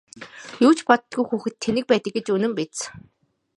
Юу ч боддоггүй хүүхэд тэнэг байдаг гэж үнэн биз!